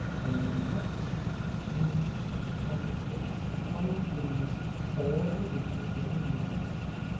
Golden cups, spoons, candlesticks, coined guineas all the riches were revealed.